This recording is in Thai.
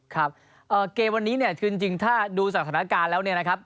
ครับเกมวันนี้เนี่ยคือจริงถ้าดูสถานการณ์แล้วเนี่ยนะครับ